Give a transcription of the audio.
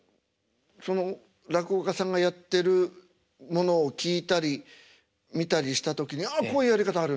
その落語家さんがやってるものを聴いたり見たりした時に「ああこういうやり方あるんだ」